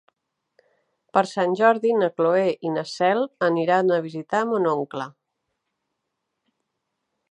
Per Sant Jordi na Cloè i na Cel aniran a visitar mon oncle.